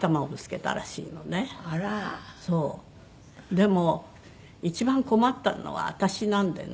でも一番困ったのは私なんでね。